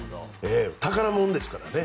宝物ですからね。